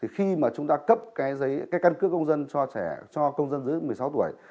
khi mà chúng ta cấp căn cước công dân cho trẻ cho công dân dưới một mươi sáu tuổi